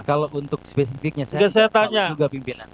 kalau untuk spesifiknya saya nggak tahu juga pimpinan